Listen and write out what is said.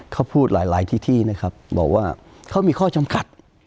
เขาพูดหลายที่ที่นะครับบอกว่าเขามีข้อจำกัด